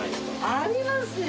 ありますよ。